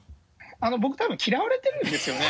僕たぶん嫌われてるんですよね？